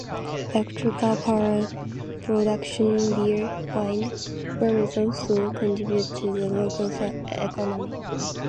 Electrical power production via wind farms also contributes to the local economy.